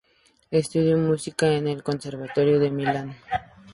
Estudió música en el conservatorio de Milán.